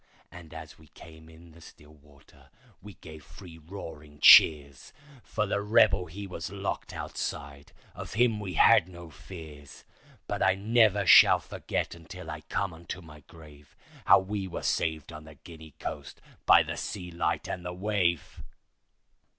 And as we came in the still water we gave three roaring cheers, For the rebel he was locked outside—of him we had no fears; But I never shall forget until I come unto my grave, How we were saved on the Guinea coast by the sea light and the wave.